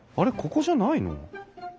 ここじゃないの？